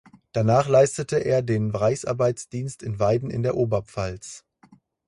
Danach leistete er den Reichsarbeitsdienst in Weiden in der Oberpfalz.